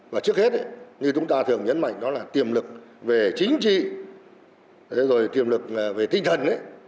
và trước hết như chúng ta thường nhấn mạnh đó là tiềm lực về chính trị rồi tiềm lực về tinh thần